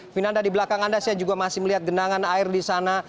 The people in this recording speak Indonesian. vinanda di belakang anda saya juga masih melihat genangan air di sana